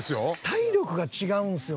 体力が違うんですよ